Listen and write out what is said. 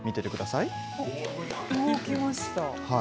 動きました。